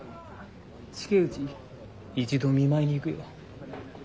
近えうち一度見舞いに行くよ。